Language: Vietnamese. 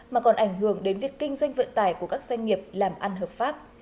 mà còn ảnh hưởng đến việc kinh doanh vận tải của các doanh nghiệp làm ăn hợp pháp